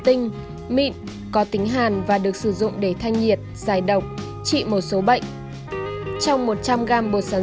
tinh mịn có tính hàn và được sử dụng để thanh nhiệt giải độc trị một số bệnh trong một trăm linh gram bột sản